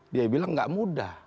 dia bilang enggak mudah